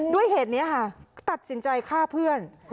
ด้วยเหตุนี้ค่ะตัดสินใจฆ่าเพื่อน